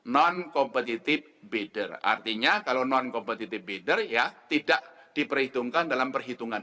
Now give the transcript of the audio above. non competitive bidder artinya kalau non competitive bidder ya tidak diperhitungkan dalam perhitungan harga